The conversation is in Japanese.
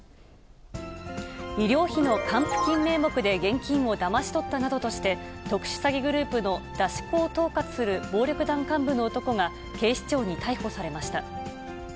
医療費の還付金名目で現金をだまし取ったなどとして、特殊詐欺グループの出し子を統括する暴力団幹部の男が警視庁に逮捕されました。